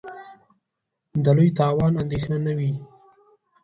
د لوی تاوان اندېښنه نه وي.